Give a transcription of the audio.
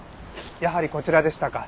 やはりこちらでしたか。